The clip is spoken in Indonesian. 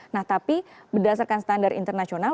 nah tapi berdasarkan standar internasional